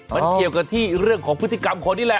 มันเกี่ยวกับที่เรื่องของพฤติกรรมคนนี่แหละ